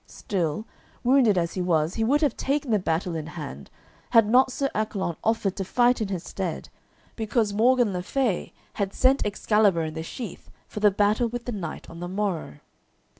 Still, wounded as he was, he would have taken the battle in hand, had not Sir Accolon offered to fight in his stead, because Morgan le Fay had sent Excalibur and the sheath for the battle with the knight on the morrow.